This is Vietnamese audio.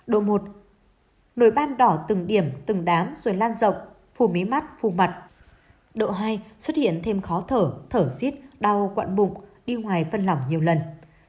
độ một nồi ban đỏ từng điểm từng đám rồi lan rộng phù mấy mắt phù mặt